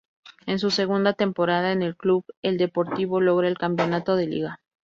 En su segunda temporada en el Club, el Deportivo logra el campeonato de liga.